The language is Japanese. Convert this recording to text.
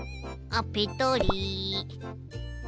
あっペトリ。